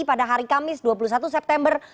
pada hari kamis dua puluh satu september